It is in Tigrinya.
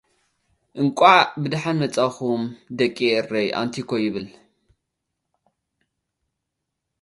እንቋዕ ብዳሓን መጻኩም ደቂ ኤሪይ ኣንቲኮ ኣብል